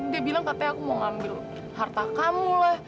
dia bilang katanya aku mau ambil harta kamu lah